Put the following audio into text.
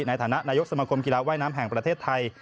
นายกสมคมกีฬาว่ายน้ำแห่งประเทศไทย